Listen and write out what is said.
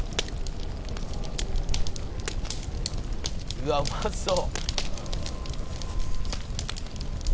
「うわっうまそう」